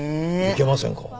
いけませんか？